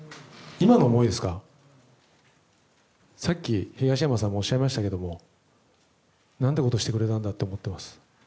今の思いはさっき東山さんもおっしゃいましたけど何てことをしてくれたんだと思っています。